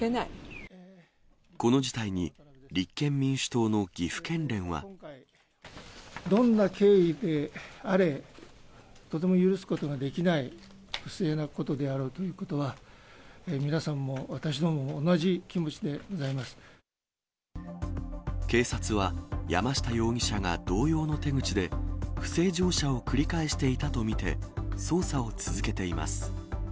この事態に、立憲民主党の岐どんな経緯であれ、とても許すことができない、不正なことであろうということは、皆さんも私どもも同じ気持ちでご警察は、山下容疑者が同様の手口で、不正乗車を繰り返していたと見て、捜査を続けています。